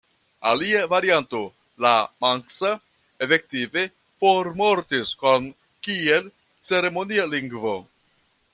Alia varianto, la manksa, efektive formortis krom kiel ceremonia lingvo.